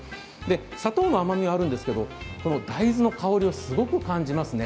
砂糖の甘みがあるんですけど大豆の香りをすごく感じますね。